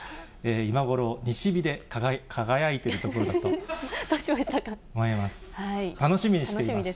今ごろ、西日で輝いているところだと思います。